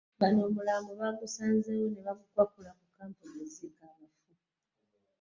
Bano omulambo baasazeewo ne bagukwakkula ku kkampuni eziika abafu.